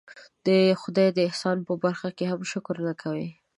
د خدای د احسان په برخه کې هم شکر نه کوي.